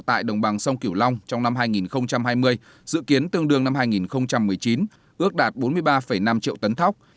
tại đồng bằng sông kiểu long trong năm hai nghìn hai mươi dự kiến tương đương năm hai nghìn một mươi chín ước đạt bốn mươi ba năm triệu tấn thóc